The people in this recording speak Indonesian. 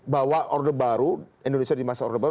bahwa orde baru indonesia di masa order baru